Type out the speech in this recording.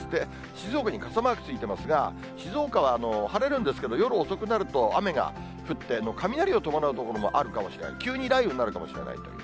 静岡に傘マークついてますが、静岡は晴れるんですけど、夜遅くなると雨が降って、雷を伴う所もあるかもしれない、急に雷雨になるかもしれないという。